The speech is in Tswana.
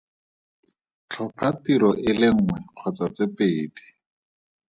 Tlhopha tiro e le nngwe kgotsa tse pedi.